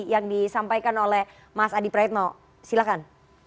yang disampaikan oleh mas adi praetno silahkan